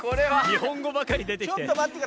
日本語ばかり出てきて。